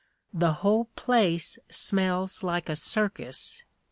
"The whole place smells like a circus."